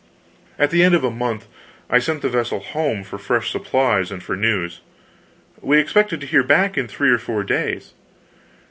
At the end of a month I sent the vessel home for fresh supplies, and for news. We expected her back in three or four days.